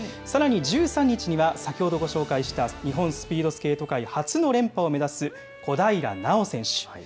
さらに１３日には、先ほどご紹介した日本スピードスケート界初の連覇を目指す小平奈緒選手。